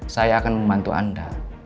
saya akan membantu anda